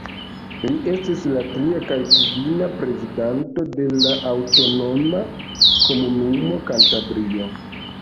Li estis la tria kaj kvina prezidanto de la aŭtonoma komunumo Kantabrio.